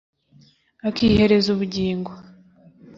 Akihereza ubugingo